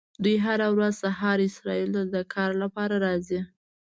دوی هره ورځ سهار اسرائیلو ته د کار لپاره راځي.